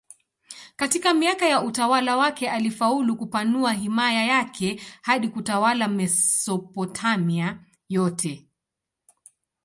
Katika miaka ya utawala wake alifaulu kupanua himaya yake hadi kutawala Mesopotamia yote.